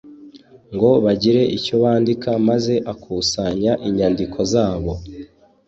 ngo bagire icyo bandika maze akusanya inyandiko zabo